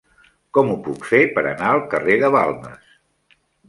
Com ho puc fer per anar al carrer de Balmes?